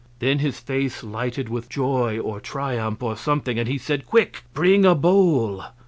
Then his face lighted with joy or triumph, or something, and he said, "Quick! Bring a bowl."